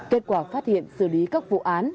kết quả phát hiện xử lý các vụ án